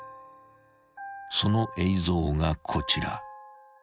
［その映像がこちら］